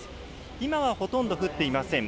今はほとんど降っていません。